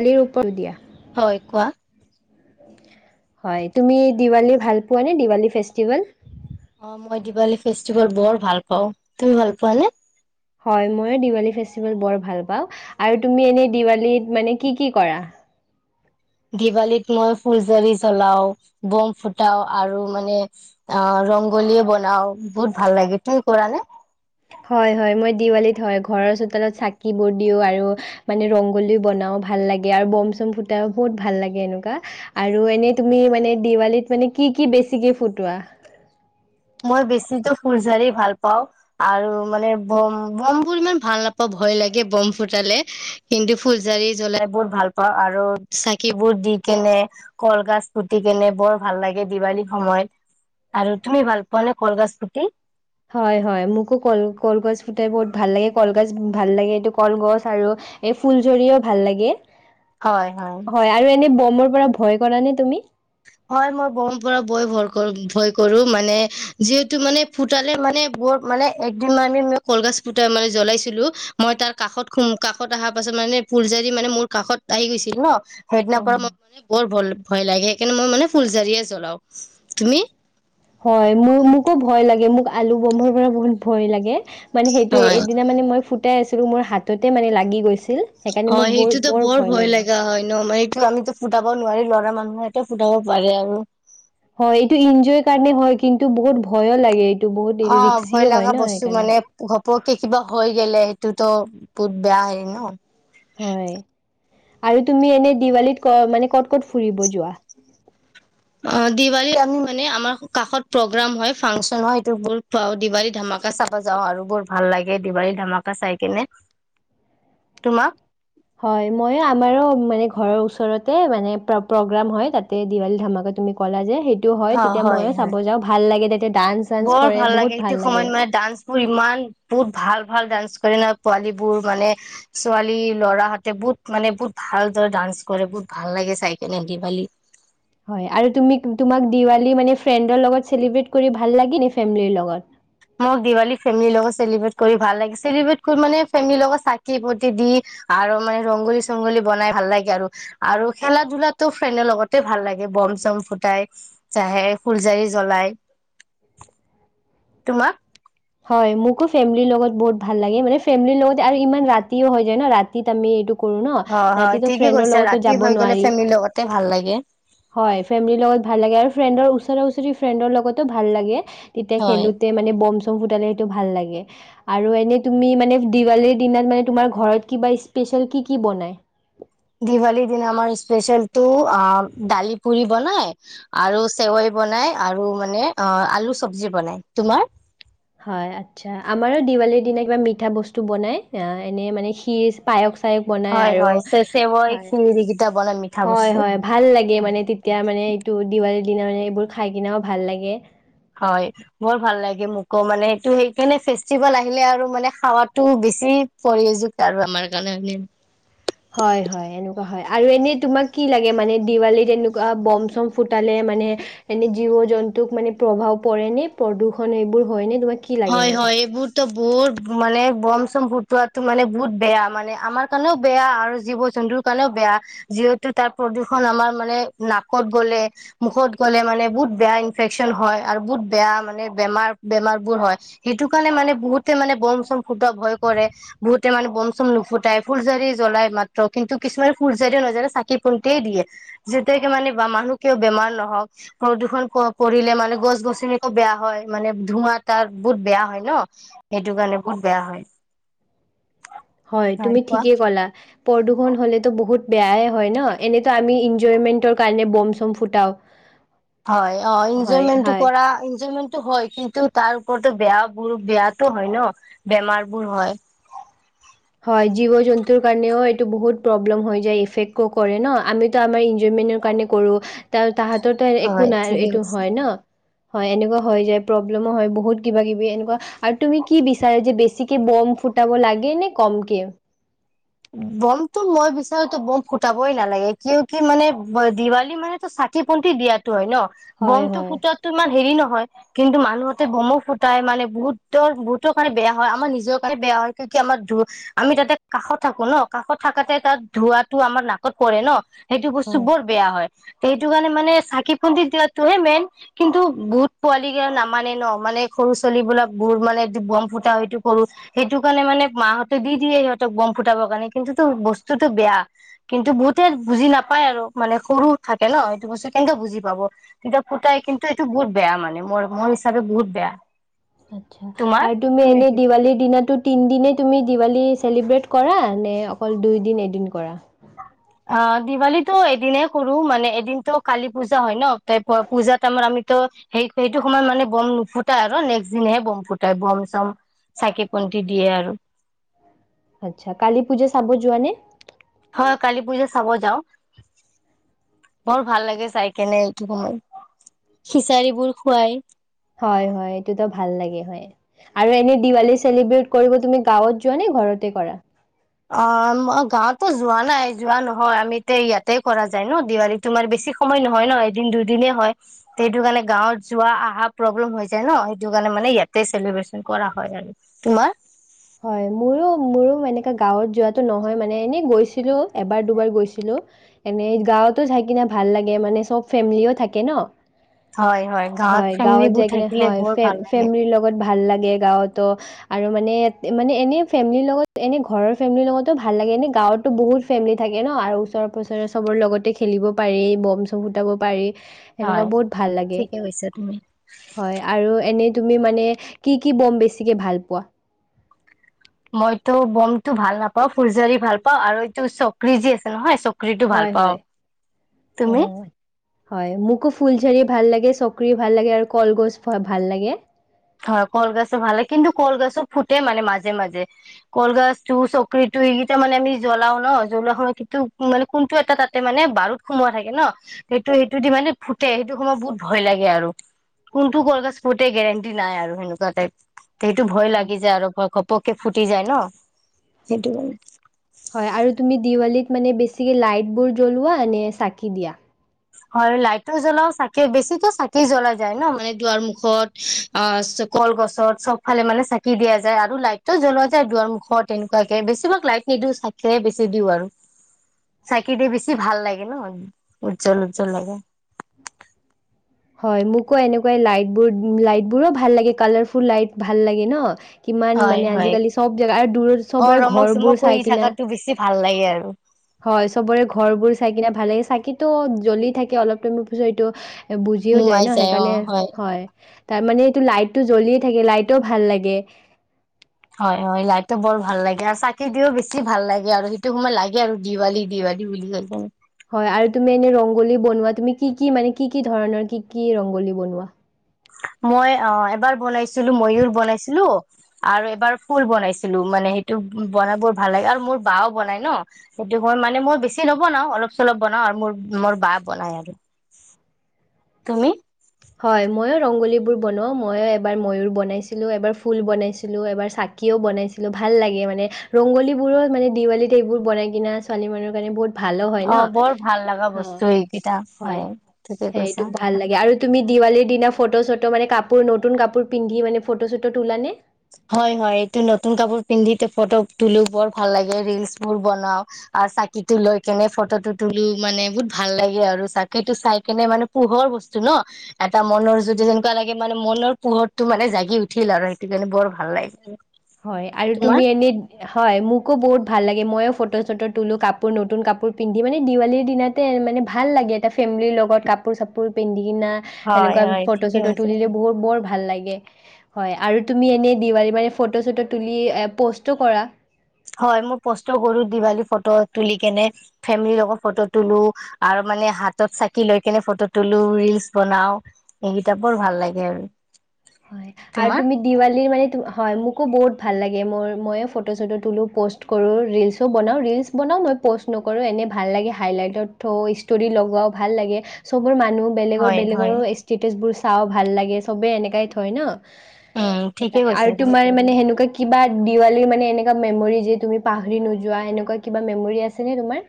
খালীৰ ওপৰ দিয়া হয় কোৱা হয় তুমি দিৱালী ভাল পোৱানে দিৱালী ফেচতিবেল? অ মই দিৱালী ফেষ্টিভেল বৰ ভাল পাওঁ তুমি ভাল পোৱানে? হয় মই দিৱালী ফেষ্টিভেল বৰ ভাল পাওঁ আৰু তুমি এনে দিৱালীত মানে কি কি কৰা? দিৱালীত মই ফুলজাৰি জ্বলাও বম ফুটাও আৰু মানে অ ৰংগোলীয়ে বনাও বহুত ভাল লাগে তুমি কৰা নে? হয় হয় মই দিৱালীত‌ হয় ঘৰৰ চোতালত চাকিবোৰ দিও আৰু মানে ৰংগুলি বনাও ভাল লাগ আৰু বম চম ফুটাও বহুত ভাল লাগে এনেকুৱা আৰু এনে তুমি মানে দিৱালীত মানে কি কি বেছিকে ফুটুৱা? মই বেছিটো ফুলঝাৰি ভাল পাওঁ আৰু মানে বম বম বোৰ ইমান ভাল নাপাওঁ ভয় লাগে বম ফুটালে কিন্তু ফুলঝাৰি জ্বলাই বহুত ভাল পাওঁ আৰু চাকিবোৰ দি কেনে কলগছ ফুট কেনে বৰ ভাল লাগে দিৱালী সময়ত আৰু তুমি ভাল প মানে কলগছ ফুটি হয় হয় মোকো কল কলগছ ফুটাই বহুত ভাল লাগে কলগছ ভাল লাগে এইটো কলগছ আৰু এই ফুলজৰিও ভাল লাগে হয় আৰু এনে বমৰ পৰা ভয় কৰা নে তুমি? হয় মই বম পৰা বয় ভয় কৰো ভয় কৰো মানে যিহেতু মানে ফুতালে মানে বৰ মানে একদিন আমি মানে কলগছ ফুতাই মানে জ্বলাইছিলো মই তাৰ কাষত খো কাষত অহাৰ পাছত মানে ফুলজাৰি মানে মোৰ কাষত আহি গৈছিল ন সেইদিনাৰ পৰা মই অ মান বৰ ভ ভয় লাগে সেইকাৰণে মই মানে ফুলজাৰিয়ে জ্বলাও তুমি? হয় মোৰ মোকো ভয় লাগে মোক আলু বমৰ পৰা বহুত ভয় লাগে মানে সেইটোয়ে হয় এদিনা মানে মই ফু ফুটাই আছিলো মোৰ হাততে মানে লাগি গৈছিল হয় সেইটোতো বৰ ভয় লগা হয় ন মানে এইটো আমিতো ফুটাব নোৱাৰি ল'ৰা মানুহ এটো ফুটাব পাৰে আৰু হয় এইটো এনজয়ৰ কাৰণে হয় কিন্তু বহুত ভয়ো লাগে এই অ ভয় লগা বস্তু মানে পটককে কিবা হৈ গেলে সেইটোতো বহুত বেয়া হেৰি ন হয় আৰু তুমি এনে দিৱালীত ক মানে ক'ত ক'ত ফুৰিব যোৱা? অ দিৱালী আমি মানে আমাৰ কাষত প্ৰগ্ৰাম হয় ফাংচন হয় সটো ব খ দিৱালী ধমাকা চাব যাওঁ আৰু বৰ ভাল লাগে দিৱালী ধমাকা চাই কেনে তোমাক‌? হয় মই আমাৰো মানে ঘৰৰ ওচৰতে মানে প্ৰগ্ৰাম হয় তাতে দিৱালী ধমাকা তুমি ক'লা যে সেই হয় অ তেতিয়া ময়ো চাব হয় যাওঁ ভাল লাগে তে বৰ ভাল লাগে সেইটো সময়ত মানে ডান্স বোৰ ইমান বহুত ভাল ভাল ডান্স পোৱালী বোৰ মানে ছোৱালী লৰাহঁতে বহুত মানে বহুত ভালদৰে ডান্স কৰে বহুত ভাল লাগে চাই কেনে‌ দিৱালী হয় আৰু তুমি তোমাক দিৱালী মানে ফ্ৰেণ্ডৰ লগত চেলিব্ৰেট কৰি ভাল লাগে ন ফেমিলিৰ লগত? মোক দিৱালী ফেমিৰ লগত চেলিব্ৰেট কৰি ভাল লাগে চেলিব্ৰট কৰি মানে ফেমিলিৰ লগত চাকি ফতি দি আৰু মানে ৰংগোলী চংগলী বনাই ভাল লাগে আৰু আৰু খেলা ধলাতটো ফ্ৰেণ্ডৰ লগতে ভাল লাগে বম চম ফুটাই চে ফুলজাৰি জ্বলাই তোমাক? হয় মোকো ফেমিলিৰ লগত বহুত ভাল লাগে মানে ফেমিলিৰ লগত আৰু ইমান ৰাতিও হয় যায় ন ৰাতি আমি এই কৰো ন, হয় হয় ‌ৰাতি‌টো ঠিকে ফ্ৰেণ্ড কৈছা লগত ৰাতি যাব হৈ গ'লে নোৱাৰি ফেমিলিৰ লগতে ভাল লাগে হয় ফেমিলি লগত ভাল লাগে আৰু ফ্ৰেণ্ড ওচৰত ওচৰা ওচৰি ফ্ৰেণ্ডৰ লগতো ভাল লাগে তেতিয়া হয় খেলোতে মানে বম সেইটো ভাল লে আৰু এনে তুমি মানে দিৱালী দিনত মানে তোমাৰ ঘৰত কিবা‌‌ ইস্পিচিযেল কি কি বনাই? দিৱালীৰ দিনা আমাৰ স্পেল টো দালি পুৰি বনাই আৰু চেৱেই বনাই আৰু মানে আলু চবজি বনাই তোমাৰ হয় আচ্ছা আমাৰ দিৱালীৰ দিনা কিবা মিঠা বস্তু বনাই এনে মানে পায় পাইঅস বনাই হয় আৰু হয় চে চেৱৈ খিৰ এইকেইটা বনাই মিঠা হয় বস্তু হয়, ভাল লাগে হয় মানে এইটো দেৱা দিনা মানে এইবোৰ খাই কিনাও ভাল লাগে হয় বৰ ভাল লাগে মোকো মানে সটো সেইকাৰণে ফেষ্টিভেল আহিলে আৰু মানে খাৱাতটো বেছি প্ৰয়োগ আৰু আমাৰ কাৰণেে হয় হয় এনেকুৱা হয় আৰু এনে তোমাক কি লাগে মানে দিৱালীত এনেকুৱা বম চম ফুটালে মানে এনে জীৱ জন্তুক মানে প্ৰভাৱ পৰে নে প্ৰদূষণ এবোৰ হয় নে তোমাক কি লাগে হয় এনেকুৱা? হয় এইবোৰ ত বহুত মানে বম চম ফুটোৱাটো মানে বহুত বেয়া মানে আমাৰ কাৰণেও বেয়া আৰু জীৱ জন্তুৰ কাৰণেও বেয়া যিহেতু তাৰ প্ৰদূষণ আমাৰ মানে নাকত গ'লে মুখত গ'লে মানে বহুত বেয়া ইনফেকচন হয় আৰু বহুত বেয়া মানে বেমাৰ বেমাৰ বোৰ হয়। সেইটো কাৰণে মানে বহুতে মানে বম চম ফুটা ভয় কৰে বহুতে মানে বম চম নুফুটাই ফুলজাৰি জ্বলাই মাত্ৰ কিন্তু কিছুমানে ফুলজাৰিও নাজানে চাকি বন্তিয়েই দিয়ে যেতিয়াকে মানে বা মানুহ কিয় বেমাৰ নহওক প্ৰদূষণ পৰিলে মানে গছ গছনিকো বেয়া হয় মানে ধোঁৱা তাৰ বহুত বেয়া হয় ন সেইটো কাৰণে বহুত বেয়া হয় হয় তুমি ঠিকেই ক'লা প্ৰদূষণ হলেতো বহুত বেয়াই হয় ন এনেইতো আমি এনজয়মেন্টৰ কাৰণে বম চম ফুটাও হয় অ হয়, এনজয়মেন্টটো হয়। কৰা এনজয়মেণ্ট হয় কিন্তু তাৰ ওৰতো বেয়া বোৰ বেয়াটো হয় ন বেমাৰ বোৰ হয়। হয় জীৱ জন্তুৰ কাৰণেও এইটো বহুত প্ৰব্লেম হৈ যায় এফেক্ট কৰে ন আমিতো আমাৰ এনজয়মেন্টৰ কাৰণে কৰো তাৰ তাহাঁতৰতো হয় একো নাই ঠিকে এইটো কৈছে হয় ন হয় এনেকুৱা হৈ যায় প্ৰব্লেমো হয় বহুত কিবা কিবি এনেকুৱা আৰু তুমি কি বিচাৰে যে বেছিকে বম ফুটাব লাগে নে কমকে বমটো মই বিচাৰো তো বম ফুটাবই নালাগে কিয় কি মানে দিৱালী মানে তো চাকি বন্তি দিয়া হয় ন হয়, বম টো হয়, ফুটাতো ইমান হেৰি নহয় কিন্তু মানুহতে বমো ফুটাই মানে বহুতৰ বহুতৰ কাৰণে বেয়া হয় আমাৰ নিজৰ কাৰণে বেয়া হয় কি আমাৰ ধ আমি তাতে কাষত থাকো ন কাষত থাকাতে তাত ধোৱটো আমাৰ নাকত পৰে ন সেইটো বস্তু হয়। বৰ বেয়া হয় সেইটো কাৰণে মানে চাকি বন্তি দিয়াতটোহে মেইন কিন্তু বহুত পোৱালি কেই নামানে ন মানে সৰু ছোৱালীবলাক গুুৰ মানে বম ফুটা সেইটো সৰু সেইটো কাৰণে মানে মাহঁতে দি দিয়ে সিহঁতক বম ফ ফুটাবৰ কাৰণে কিন্তুো বস্তুতটো বেয়া কিন্তু বহুতে বুজি নাপায় আৰু মানে সৰু থাকে ন সটো বস্তু কেন্তে বুজি পাব তেতিয়া ফুটাই কিন্তু এইটো বহুত বেয়া মানে মোৰ মোৰ হিচাপে বহুত বেয়া। আটচ্ছা তোমাৰ আৰু তুমি এনেই কি দিৱালীৰ দিনাাতো তিন দিনে তুমি দিৱালী চেলিব্ৰেট কৰা নে অকল দুই দিন এদিন কৰা অ দিৱালীটো এদিনে কৰো মানে এদিনতো কালি পূজা হয় ন তাই পূজাত আমাৰ আমিতো সেই সেইটো সময়ত মানে বম নুফুটাই আৰু নেক্সট দিনহে বম ফুটাই বম চম চাকি বন্তি দিয়ে আৰু। আচ্ছা কালী পূজা চাব যোৱা নে? হয় কালি পুজা চাব যাওঁ বৰ ভাল লাগে চাই কেনে এইটো সময় খিচাৰী বোৰ খুৱাই। হয় হয় এইটোতো ভাল লাগে হয়, আৰু এনে দিৱালী চেলিব্ৰেট কৰিব তুমি গাঁৱত যোৱা নে ঘৰতে কৰা। অ গাঁৱতো যোৱা নাই যোৱা নহয় আমি ইয়াতে কৰা যায় ন দিৱালী তোমাৰ বেছি সময় নহয় ন এদিন দুদিনেই হয় সেইটো কাৰণে গাঁৱত যোৱা অহা প্ৰব্লেম হৈ যায় ন সেইটো কাৰণে মানে ইয়াতে চেলিব্ৰেচন কৰা হয়, আৰু তোমাৰ হয় মোৰো মোৰো এনেকা গাঁৱত যোৱাাতটো নহয় মানে এনে গৈছিলো এবাৰ দুবাৰ গৈছিলো এনে গাঁৱতো চাই কিনে ভাল লাগে মানে চব ফেমিলিও থাকে ন। হয় হয় গাঁৱত ফেমিলিবোৰ যাই কিনে থাকিলে হয় বৰ ভাল লাগে ফেমিলিৰ লগত ভাল লাগ গে গাঁৱতো আৰু মানে মানে এনে ফেমিলিৰ লগত এনে ঘৰৰ ফেমিলিৰ লগতো ভাল লাগে এনে গাঁৱতো বহুত ফেমিলি থাকে ন আৰু ওচৰে পাজৰে চবৰ লগতে খেলিব পাৰি বম চম ফুটাব পাৰি হেনেকুৱা হয় বহুত ভাল লাগে, ঠিকে কৈছা তুমি হয় আৰু এনে তি মানে কি কি বম বেছিকে ভাল পোৱা মইতো বমটো ভাল নাপাও ফুুলজাৰী ভাল পাও আৰু এইটো চক্ৰী যি আছে নহয় চক হয় হয় অ হয় মোকো ফুলঝাৰি ভাল লাগে চকৰি ভাল লাগে আৰু কলগছ ভাল লাগে। হয় কলগছ ভাল লে কিন্তু কলগছ ফুটে মানে মাজে মাজে কলগছটো চকৰিটো এইকেইটা মানে আমি জ্বলাও ন জ্বলোৱা সময়ত কিন্তু মানে কোনটো এটা তাতে মানে বাৰুত সোমোৱা থাকে ন সেইটো সেইটো দি মানে ফুটে সেইটো সময় বহুত ভয় লাগে আৰু কোনটো কলগছ ফুটি। নাই আৰু সেনেকুৱা তাইক। সেইটো ভয় হয় লাগি যায় আৰু ঘপক। কে ফুটি যায় ন সেইটো। হয়, আৰু দেৱালীত মানে বেছিকৈ লাইটবোৰ জ্বলোৱা নে চাকি দিয়া। হয়, লাইটটো জ্বলাও চাকে বেছিতো চাকি জ্বলা যায় ন, মানে দুৱাৰ মুখত অ কলগছত চবফালে মানে চাকি দিয়া যায় আৰু লাইটটো জ্বলোৱা যায় দুৱাৰ মুখত এনেকুৱাকে বেছিভাগ লাইট নিদিও চাকিৰে বেছি দিও আৰু চাকি দি বেছি ভাল লাগে ন। উজ্বল-উজ্বল লাগে। হয়, মোকো এনেকুৱাই লাইট বোৰ লাইট বোৰো ভাল লাগে কালাৰফুল লাইট ভাল লাগে ন। কিমান হয় মানে হয় আজিকালি চব জেগা আৰু দূৰত অ চবৰে ৰমক ঘৰবোৰ চমক কৰি চাই কিনা থাকাতো বেছি ভাল লাগে আৰু হয় চবৰে ঘৰবোৰ চাই কিনে ভালে চাকি। টো জ্বলি থাকে অলপ টাইমৰ পিছত এইটো। বুজিও যায় ন সেইকাৰণে হয়। তাৰ মানে এইটো লাইটটো জ্বলিয়ে থাকে লাইটও ভাল লাগে। হয়-হয় লাইটটো বৰ ভাল লাগে আৰু চাকি দিও বেছি ভাল লাগে আৰু সেইটো সময়ত লাগে আৰু দিৱালী-দিৱালী বুলি। হয় আৰু তুমি এনে ৰংগোলী বনোৱা তুমি কি কি মানে কি-কি ধৰণৰ কি-কি ৰংগোলী বনোৱা। মই অ' এবাৰ বনাইছিলো ময়ুৰ বনাইছিলো আৰু এবাৰ ফুল বনাইছিলো মানে সেইটো বনাই বৰ ভাল লাগে আৰু মোৰ বাও বনাই ন সেইটো মই মানে মই বেছি নবনাও অলপ চলপ বনাওঁ আৰু মোৰ-মোৰ বা বনাই আৰু। তুমি? ৰংগলীবোৰ বনওঁ ময়ো এবাৰ ময়ুৰ বনাইছিলোঁ এবাৰ ফুল বনাইছিলো। এবাৰ চাকিও বনাইছিলো ভাল লাগে, মানে ৰংগলীবোৰো মানে দিৱালীত এইবোৰ বনাই কিনা ছোৱালী মানুহৰ কাৰণে বহুত। ভালো হয় ন'। অ', বৰ ভাল লগা অ' বস্তু এইকেইটা হয় থিকে সেইটো কৈছা। ভাল লাগে আৰু তুমি দিৱালীৰ দিনা ফটো-চটো মানে কাপোৰ নতুন কাপোৰ পিন্ধি মানে ফটো-চটো তোল নে? হয়-হয়, এইটো নতুন কাপোৰ পিন্ধি ফটো তুলো বৰ ভাল লাগে ৰিলচ বোৰ বনাও আৰু চাকিটো লৈ কেনে ফটোটো তুলো মানে বহুত ভাল লাগে আৰু চাকিটো চাই কেনে মানে পোহৰ বস্তু ন এটা মনৰ যদি যেনেকুৱা লাগে, মানে মনৰ পোহৰটো মানে জাগি উঠিল আৰু। সেইটো কাৰণে বৰ ভাল লাগে। হয় আৰু তোমাৰ তুমি এনে হয়, মোকো বহুত ভাল লাগে, মই। ফটো-চটো তুলো কাপোৰ নতুন কাপোৰ পিন্ধি মানে দিৱালীৰ দিনাতে মানে ভাল লাগে এটা ফেমিলিৰ লগত কাপোৰ-চাপোৰ পিন্ধি। না হয় সেনেকুৱ হয় ঠিকে ফটো-চটো কৈছা তুলিলে বহুত বৰ ভাল। ভাল লাগে হয়, আৰু তুমি এনে মান। ফটো-চটো তুলি প'ষ্টো কৰা। হয়, মই পষ্টৰ কৰো দিৱালী ফটো তুলি কেনে ফেমিলিৰ লগত ফটো তলো আৰু মানে হাতত চাকি লৈ কেনে ফটো তলো ৰিলচ। বনাও এইকেইটা বৰ ভাল লাগে আৰু। হয় আৰু তোমাৰ তুমি দিৱালীৰ মানে। হয় মোকো বহুত ভাল লাগে মোৰ ময়ো ফটো চটো তোলোঁ প'ষ্ট কৰোঁ ৰিলচো বনাওঁ ৰিলচ বনাওঁ মই প'ষ্ট নকৰোঁ এনেই ভাল লাগে, হাইলাইটত থওঁ ষ্টৰি লগাওঁ ভাল লাগে। চব বোৰ মানুহ হয় হয় বেলেগৰ-বেলেগৰ ষ্টেটাচ বোৰ চাওঁ ভাল লাগে চবে এনেকেই হয় ন? উম ঠিকে সেইকাৰণে কৈছা আৰু তুমি তোমাৰ মানে সেনেকুৱা কি? কিবা দিৱালীৰ মানে এনেকুৱা মেমৰি যে তুমি পাহৰি নোযোৱা এনেকুৱা কিবা মেমৰি আছে নে তোমাৰ?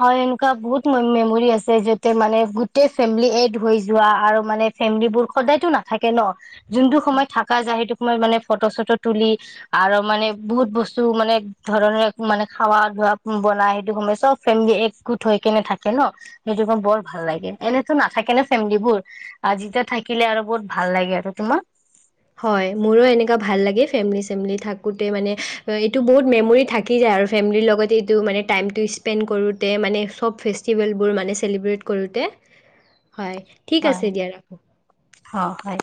হয়, এনেকুৱা বহুত ম মেমৰি আছে। যতে মানে গোটেই ফেমিলি এড হৈ যোৱা আৰু মানে ফেমিল বোৰ সদায়তো নাথাকে ন, যোনটো সময়ত থকা যায় সেইটো সময়ত মানে ফটো চটো তুলি আৰু মানে বহুত বস্তু মানে ধৰণে মানে খাৱা ধোৱা বনাই, সেইটো সময়ত চব। ফেমি একগোট হৈ কেনে থাকে ন সেইটো ম বৰ ভাল লাগে এনেতো নাথাকে নে ফেমিলিবোৰ আৰু যেতিয়া থাকিলে আৰু বহুত ভাল লাগে আৰু তোমাক? হয় মোৰো এনেকুৱা ভাল লাগে, ফেমিলি চেমিলি থাকোঁতে মানে এইটো বহুত মেমৰি থাকি যায় আৰু ফেমিলিৰ লগতে, এইটো মানে টাইমটো স্পেণ্ড কৰোঁতে মানে সব ফেষ্টিভেলবোৰ মানে চেলিব্ৰেট কৰোঁতে। হয় ঠিক হয় আছে দিয়া ৰাখো। অ' হয়।